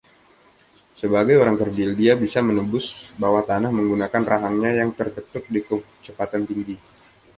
Sebagai orang kerdil, dia bisa menembus bawah tanah menggunakan rahangnya yang tertekuk di kecepatan tinggi.